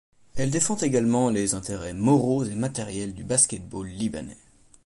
Elle défend également les intérêts moraux et matériels du basket-ball libanais.